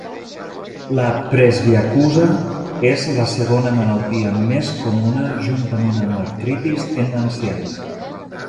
La presbiacusa és la segona malaltia més comuna juntament amb l'artritis en ancians.